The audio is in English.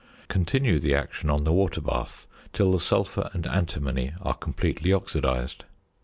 Continue the action on the water bath till the sulphur and antimony are completely oxidised.